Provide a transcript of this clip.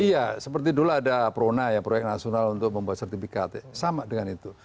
iya seperti dulu ada prona ya proyek nasional untuk membuat sertifikat sama dengan itu